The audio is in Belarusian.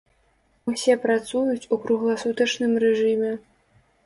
Усе працуюць у кругласутачным рэжыме.